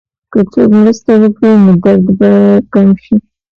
که څوک مرسته وکړي، نو درد به کم شي.